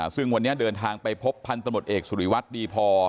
ซึ่งวันนี้เดินทางไปพบพันธมตเอกสุริวัตรดีพอ